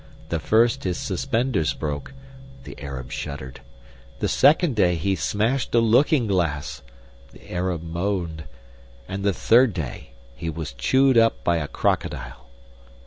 The first his suspenders broke (the Arab shuddered), the second day he smashed a looking glass (the Arab moaned), and the third day he was chewed up by a crocodile."